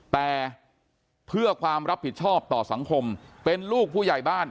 แต่เพื่อความรับผิดชอบต่อสังคมเป็นลูกผู้ใหญ่บ้าน